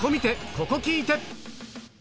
ここ聴いて！